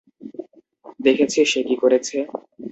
দেখেছিস সে কী করেছে!